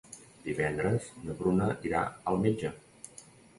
Divendres na Bruna irà al metge.